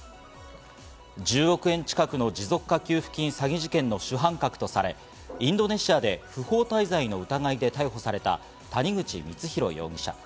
１０億円近くの持続化給付金詐欺事件の主犯格とされ、インドネシアで不法滞在の疑いで逮捕された谷口光弘容疑者。